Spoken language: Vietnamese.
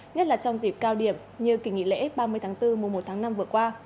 nhất là trong dịp cao điểm như kỳ nghỉ lễ ba mươi tháng bốn mùa một tháng năm vừa qua